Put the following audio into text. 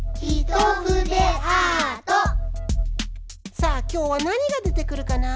さあきょうはなにがでてくるかな？